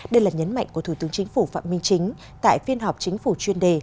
đây là nhấn mạnh của thủ tướng chính phủ phạm minh chính tại phiên họp chính phủ chuyên đề